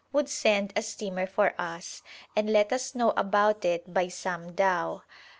would send a steamer for us, and let us know about it by some dhow.